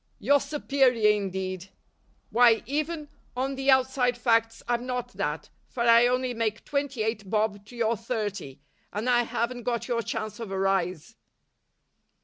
Your superior, indeed! Why, even on the outside facts I'm not that, for I only make twenty eight bob to your thirty, and I haven't got your chance of a rise."